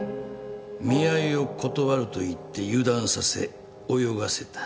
見合いを断ると言って油断させ泳がせた。